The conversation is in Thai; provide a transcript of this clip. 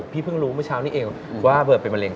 เพิ่งรู้เมื่อเช้านี้เองว่าเบิร์ตเป็นมะเร็